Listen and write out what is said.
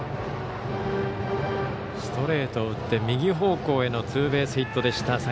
ストレートを打って、右方向へのツーベースヒットでした。